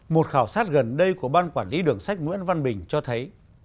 một khảo sát gần đây của ban quản lý đường sách nguyễn văn bình cho thấy